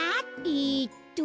えっと。